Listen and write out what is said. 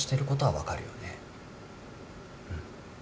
うん。